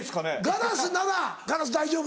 ガラスならガラス大丈夫？